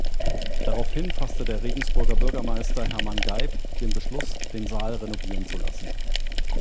Daraufhin fasste der Regensburger Bürgermeister Hermann Geib den Beschluss, den Saal renovieren zu lassen.